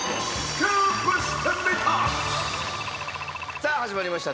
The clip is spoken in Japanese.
さあ始まりました